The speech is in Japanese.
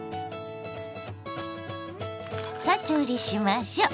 さあ調理しましょ。